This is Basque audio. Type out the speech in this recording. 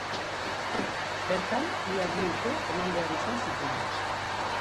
Bertan ia bi urte eman behar izan zituen.